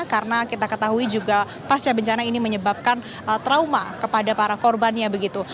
karena kita ketahui juga pasca bencana ini menyebabkan trauma kepada para korbannya begitu